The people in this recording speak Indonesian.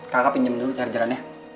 kakak pinjem dulu charger annya